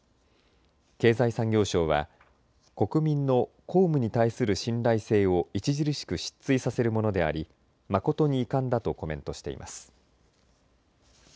経済産業省は国民の公務に対する信頼性を著しく失墜させるものであり誠に遺憾だとコメントしています。